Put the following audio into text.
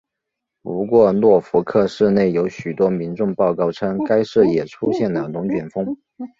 不过诺福克市内有许多民众报告称该市也出现了龙卷风。